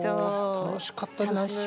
楽しかったですね。